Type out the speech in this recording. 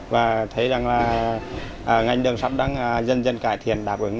và thấy rằng là ngành đường sắt đang dần dần cải thiện đáp ứng